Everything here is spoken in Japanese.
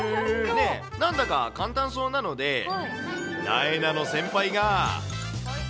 なんだか簡単そうなので、なえなの先輩が。